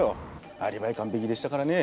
アリバイ完璧でしたからね。